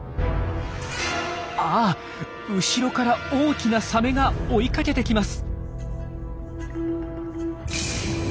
あっ後ろから大きなサメが追いかけてきます。